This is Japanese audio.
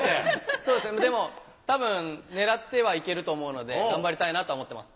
そうですね、でもたぶん、狙ってはいけると思うので、頑張りたいなとは思ってます。